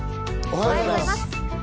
おはようございます。